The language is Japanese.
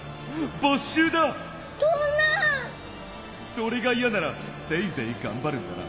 「それがいやならせいぜいがんばるんだな。